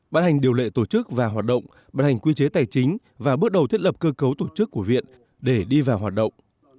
bán hành điều lệ tổ chức và hoạt động bật hành quy chế tài chính và bước đầu thiết lập cơ cấu tổ chức của viện để đi vào hoạt động